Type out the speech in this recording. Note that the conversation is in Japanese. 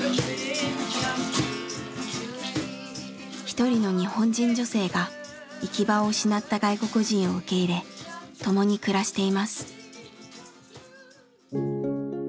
一人の日本人女性が行き場を失った外国人を受け入れ共に暮らしています。